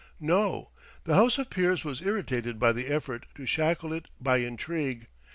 No. The House of Peers was irritated by the effort to shackle it by intrigue.